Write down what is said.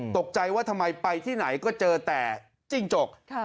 ตกใจว่าทำไมไปที่ไหนก็เจอแต่จิ้งจก